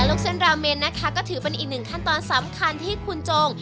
ลูกเส้นราเมนนะคะก็ถือเป็นอีกหนึ่งขั้นตอนสำคัญที่คุณจง